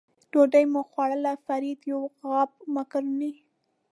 ډوډۍ مو وخوړل، فرید یو غاب مکروني.